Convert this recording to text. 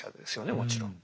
もちろん。